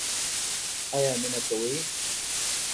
ایا مینه کوئ؟